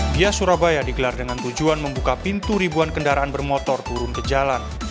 bia surabaya digelar dengan tujuan membuka pintu ribuan kendaraan bermotor turun ke jalan